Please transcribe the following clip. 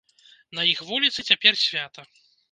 На іх вуліцы цяпер свята.